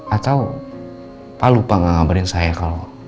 atau pak al lupa nggak ngabarin saya kalau